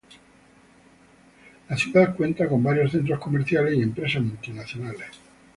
La ciudad cuenta con varios centros comerciales y empresas multinacionales.